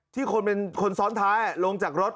ที่คนเป็นคนซ้อนท้ายอ่ะลงจากรถ